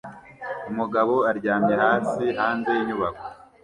Umugabo aryamye hasi hanze yinyubako